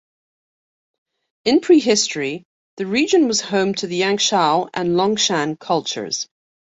In prehistory, the region was home to the Yangshao and Longshan cultures.